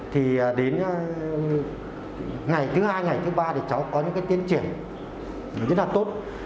thì đến ngày thứ hai ngày thứ ba thì cháu có những cái tiến triển rất là tốt